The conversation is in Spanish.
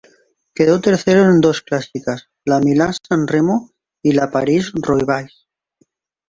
Quedó tercero en dos clásicas, la Milán-San Remo y la París-Roubaix.